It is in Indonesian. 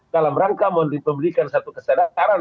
dalam rangka membelikan satu kesedaran